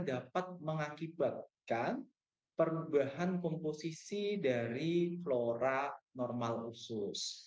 dapat mengakibatkan perubahan komposisi dari flora normal usus